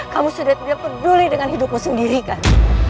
kamu sudah tidak peduli dengan hidupmu sendiri kan